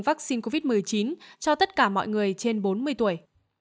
vaccine covid một mươi chín cho tất cả mọi người trên bốn mươi tuổi